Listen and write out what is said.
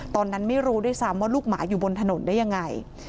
ตอนนั้นไม่รู้ด้วยซ้ำว่าลูกหมาอยู่บนถนนได้ยังไง